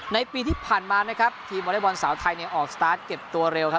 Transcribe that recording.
ในปีที่ผ่านมานะครับทีมวอเล็กบอลสาวไทยเนี่ยออกสตาร์ทเก็บตัวเร็วครับ